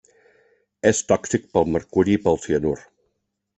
És tòxic pel mercuri i pel cianur.